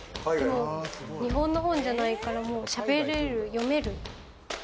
日本の本じゃないから喋れる読める。